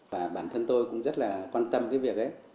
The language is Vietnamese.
và bản thân tôi cũng rất là quan tâm cái việc đấy